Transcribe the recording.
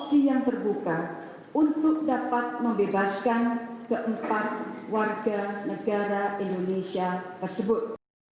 dan juga opsi yang terbuka untuk dapat membebaskan keempat warga negara indonesia tersebut